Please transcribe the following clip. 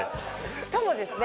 しかもですね